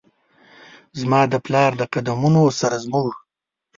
زما د پلار د قد مونو سره زموږ،